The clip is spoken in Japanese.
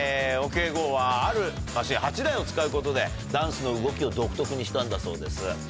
「ＯＫＧｏ」はあるマシン８台を使うことでダンスの動きを独特にしたんだそうです。